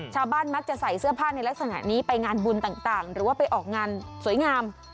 ชาวบ้านมักจะใส่เสื้อผ้าในลักษณะนี้ไปงานบุญต่างหรือว่าไปออกงานสวยงาม